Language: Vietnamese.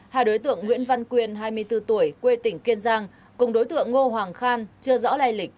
hai đối tượng nguyễn văn quyền hai mươi bốn tuổi quê tỉnh kiên giang cùng đối tượng ngô hoàng khan chưa rõ lây lịch